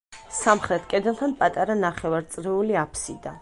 სამხრეთ კედელთან პატარა, ნახევარწრიული აფსიდა.